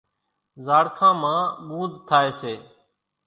زاڙکان مان ڳونۮ ٿائيَ سي۔